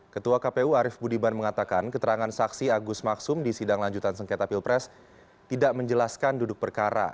ketua kpu arief budiman mengatakan keterangan saksi agus maksum di sidang lanjutan sengketa pilpres tidak menjelaskan duduk perkara